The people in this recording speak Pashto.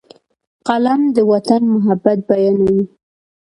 قلم د وطن محبت بیانوي